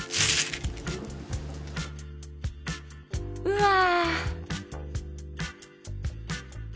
うわ。